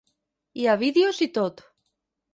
Hi ha vídeos i tot.